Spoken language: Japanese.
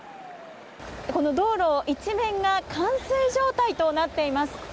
この道路一面が冠水状態となっています。